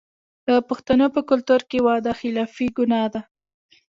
د پښتنو په کلتور کې وعده خلافي ګناه ده.